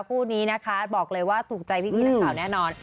คู่นี้นะคะบอกเลยว่าตุกใจพี่นะครับแน่นอน